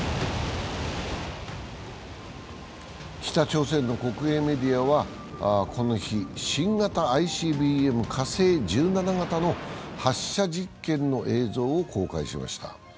北朝鮮の国営メディアは、この日、新型ＩＣＢＭ・火星１７型の発射実験の映像を公開しました。